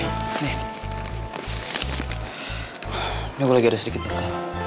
ini gue lagi ada sedikit perut